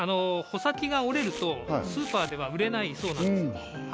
穂先が折れるとスーパーでは売れないそうなんです